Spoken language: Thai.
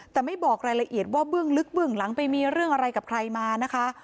แต่ไม่บอกรายละเอียดว่าเบื้องลึกเบื้องหลังไปมีเรื่องอะไรกับใครมานะคะ